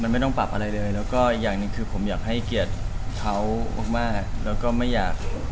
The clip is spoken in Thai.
มันไม่ต้องปรับอะไรเลยแล้วก็อีกอย่างหนึ่งคือผมอย่างให้เกียรติเขามาก